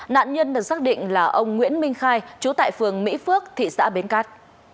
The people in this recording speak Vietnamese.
nạn nhân được xác định là ông nguyễn minh khai trú tại phường mỹ phước thị xã bến cát